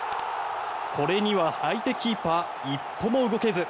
これには相手キーパー一歩も動けず。